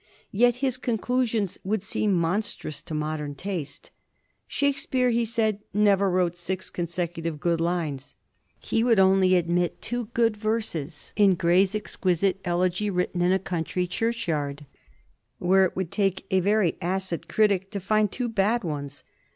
Yet his conclusions would seem monstrous to a modern taste. "Shakespeare," he said, "never wrote six consecutive good lines." He would only admit two good verses in Gray's exquisite "Elegy written in a Country Churchyard," where it would take a very acid critic to find two bad ones.